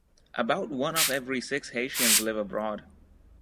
About one of every six Haitians live abroad.